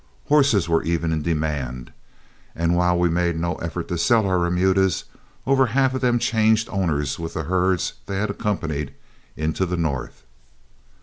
Horses were even in demand, and while we made no effort to sell our remudas, over half of them changed owners with the herds they had accompanied into the North.